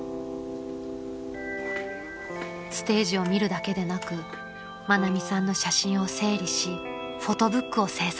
［ステージを見るだけでなく愛美さんの写真を整理しフォトブックを制作］